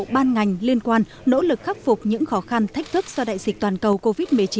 ban ngành liên quan nỗ lực khắc phục những khó khăn thách thức do đại dịch toàn cầu covid một mươi chín